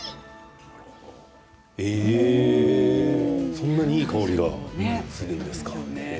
そんなにいい香りがするんですか？